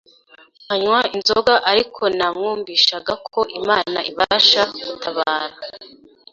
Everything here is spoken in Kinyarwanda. nkanywa inzoga ariko namwumvishagako Imana ibasha gutabara.